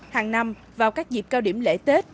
hàng năm vào các dịp cao điểm lễ tết